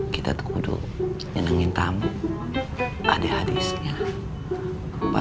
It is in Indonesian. kita tuh udah gini nungguin brains kita